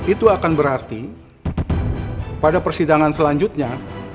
itu akan berarti pada persidangan selanjutnya